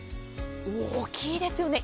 大きいですよね。